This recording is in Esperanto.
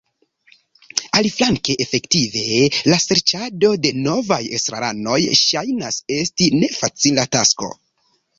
Aliflanke efektive la serĉado de novaj estraranoj ŝajnas esti nefacila tasko.